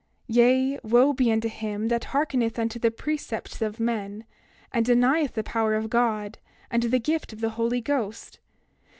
28:26 Yea, wo be unto him that hearkeneth unto the precepts of men, and denieth the power of God, and the gift of the Holy Ghost!